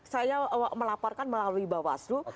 saya melaporkan melalui bawaslu